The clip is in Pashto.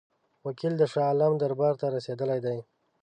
وکیل د شاه عالم دربار ته رسېدلی دی.